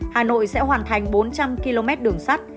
hà nội sẽ hoàn thành bốn trăm linh km đường sắt